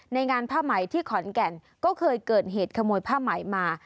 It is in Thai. งานผ้าไหมที่ขอนแก่นก็เคยเกิดเหตุขโมยผ้าไหมมา